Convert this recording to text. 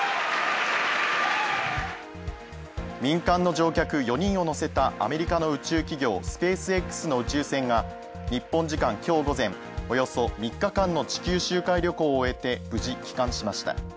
民間の乗客４人を乗せたアメリカの宇宙企業スペースＸの宇宙船が日本時間今日午前およそ３日間の地球周回旅行を終えて無事帰還しました。